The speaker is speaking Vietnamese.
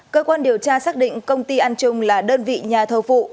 cơ quan điều tra xác định công ty an trung là đơn vị nhà thầu phụ